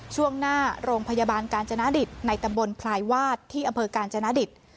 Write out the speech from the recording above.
ช่วงหน้าโรงพยาบาลกาญจนาดิตในตำบลพลายวาดที่อำเภอกาญจนดิต